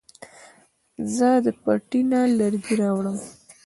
زه د پټي نه لرګي راوړم